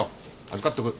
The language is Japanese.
預かっとく。